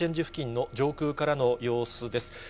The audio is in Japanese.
付近の上空からの様子です。